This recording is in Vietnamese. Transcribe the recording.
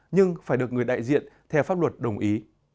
nhưng phải được người đại diện theo pháp luật đồng ý